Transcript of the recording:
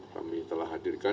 kami telah hadirkan